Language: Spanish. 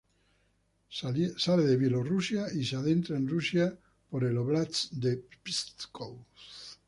Sale de Bielorrusia y se adentra en Rusia por el óblast de Pskov.